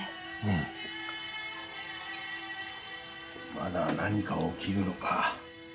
まだ何か起きるのか。